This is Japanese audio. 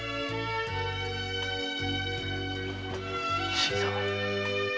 新さん！